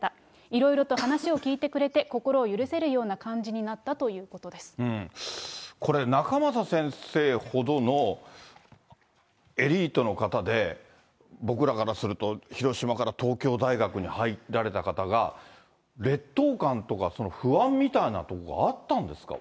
いろいろと話を聞いてくれて、心を許せるような感じになったといこれ、仲正先生ほどのエリートの方で、僕らからすると、広島から東京大学に入られた方が、劣等感とか不安みたいなところがあったんですか？